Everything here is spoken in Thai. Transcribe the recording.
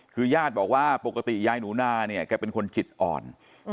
คือญาติบอกว่าปกติยายหนูนาเนี่ยแกเป็นคนจิตอ่อน